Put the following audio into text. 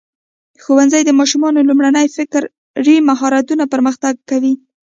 ښوونځی د ماشومانو لومړني فکري مهارتونه پرمختګ کوي.